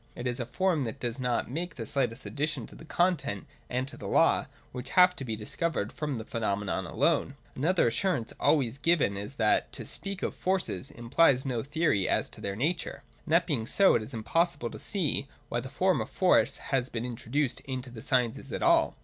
It is a form that does not make the slightest addition to the content and to the law, which have to be discovered from the pheno menon alone. Another assurance always given is that to speak of forces implies no theory as to their nature : and that being so, it is impossible to see why the form of Force has been introduced into the sciences at all.